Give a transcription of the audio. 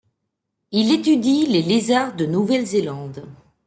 Il étudie les lézards de Nouvelle-Zélande.